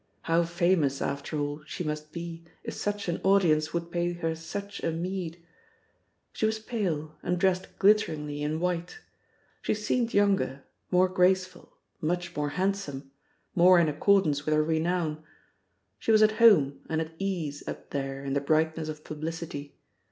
How famous, after all, she must be, if such an audience would pay her such a meed! She was pale, and dressed glitteringly in white. She seemed younger, more graceful, much more handsome, more in accordance with her renown. She was at home and at ease up there in the brightness of publicity.